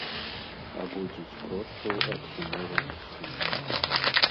Абудзіць продкаў ад зімовага сну.